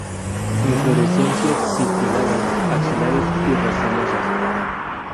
Inflorescencias pistiladas, axilares y racemosas.